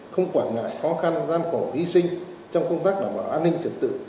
không quản ngại khó khăn gian khổ hy sinh trong công tác đảm bảo an ninh trật tự